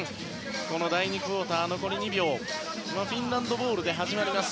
第２クオーター残り２秒フィンランドボールで始まります。